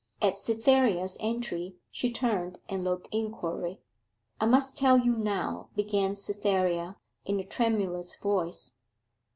At Cytherea's entry she turned and looked inquiry. 'I must tell you now,' began Cytherea, in a tremulous voice.